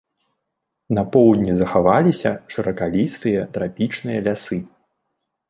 На поўдні захаваліся шыракалістыя трапічныя лясы.